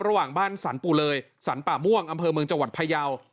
ระหว่างบ้านสรรปูเลยสรรป่าม่วงอำเภอเมืองจังหวัดพยาว